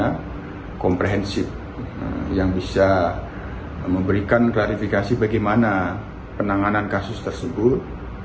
karena komprehensif yang bisa memberikan klarifikasi bagaimana penanganan kasus tersebut